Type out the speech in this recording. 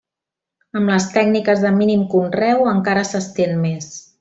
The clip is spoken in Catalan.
Amb les tècniques de mínim conreu encara s'estén més.